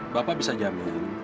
bapak bisa jamin